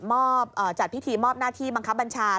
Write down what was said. จัดพิธีมอบหน้าที่บังคับบัญชา